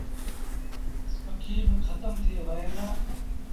پکي با کتم ٿئي وهيݩ دآ۔